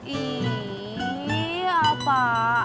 ih apaan sih